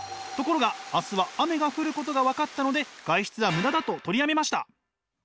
ところが明日は雨が降ることが分かったので外出はムダだと取りやめました。